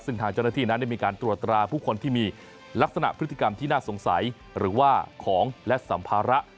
ซึ่งทางเจ้าหน้าที่นั้นได้มีการตรวจตราผู้คนที่มีลักษณะพฤติกรรมที่น่าสงสัยหรือว่าของและสัมภาระ